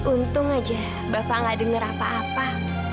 untung aja bapak gak denger apa apa